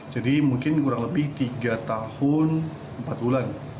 jadi mungkin kurang lebih tiga tahun empat bulan